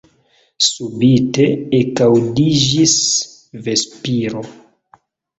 Subite ekaŭdiĝis vespiro.